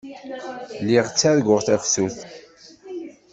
Lliɣ ttarguɣ tafsut.